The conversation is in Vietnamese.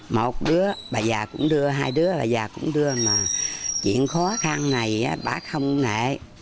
một đứa bà già cũng đưa hai đứa là già cũng đưa mà chuyện khó khăn này bác không ngại